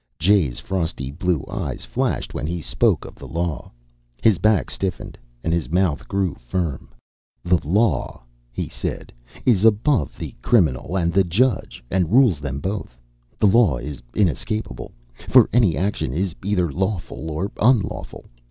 Jay's frosty blue eyes flashed when he spoke of the law. His back stiffened, and his mouth grew firm. "The law," he said, "is above the criminal and the judge, and rules them both. The law is inescapable, for an action is either lawful or unlawful.